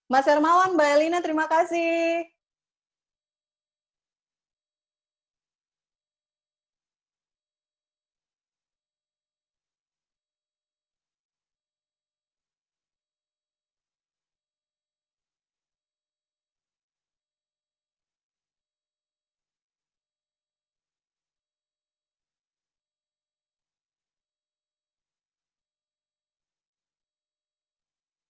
mas hermawan mbak elina terima kasih